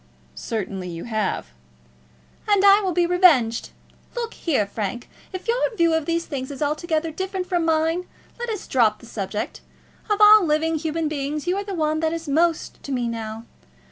"Certainly you have." "And I will be revenged. Look here, Frank; if your view of these things is altogether different from mine, let us drop the subject. Of all living human beings you are the one that is most to me now.